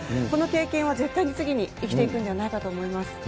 この経験は絶対に次に生きていくんではないかと思います。